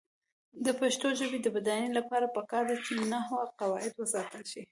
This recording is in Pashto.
د پښتو ژبې د بډاینې لپاره پکار ده چې نحوي قواعد وساتل شي.